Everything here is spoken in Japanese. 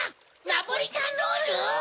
ナポリタンロール？